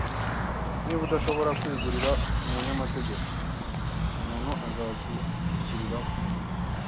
Niba udashobora kwigurira umunyamategeko, umuntu azagushyiriraho.